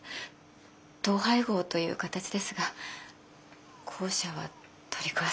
統廃合という形ですが校舎は取り壊されてしまいます。